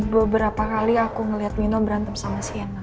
beberapa kali aku ngeliat nino berantem sama siana